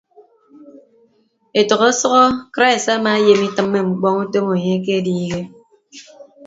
Etәk ọsʌhọ krais amaayem itịmme ñkpọñ utom enye akediihe.